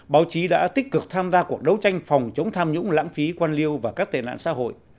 báo chí đã tích cực tham gia cuộc đấu tranh phòng chống tham nhũng lãng phí quan liêu và các tệ nạn xã hội